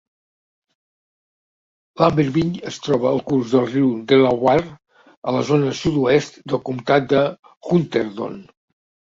Lambertville es troba al curs del riu Delaware, a la zona sud-oest del comtat de Hunterdon.